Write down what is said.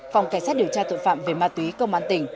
phòng cảnh sát điều tra tội phạm về ma túy công an tỉnh